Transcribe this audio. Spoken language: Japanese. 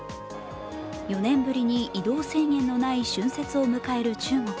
４年ぶりに移動制限のない春節を迎える中国。